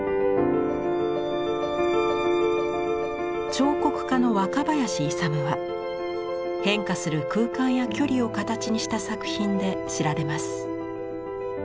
彫刻家の若林奮は変化する空間や距離を形にした作品で知られます。